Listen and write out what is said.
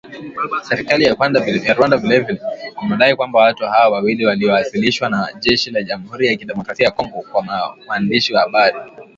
Serikali ya Rwanda vile vile imedai kwamba watu hao wawili waliowasilishwa na jeshi la Jamhuri ya kidemokrasia ya Kongo kwa waandishi wa habari.